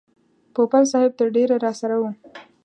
پوپل صاحب تر ډېره راسره و.